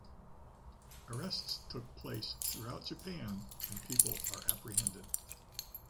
Arrests took place throughout Japan and people are apprehended.